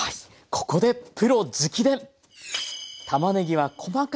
ここでプロ直伝！